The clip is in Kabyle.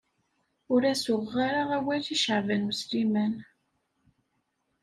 Ur as-uɣeɣ ara awal i Caɛban U Sliman.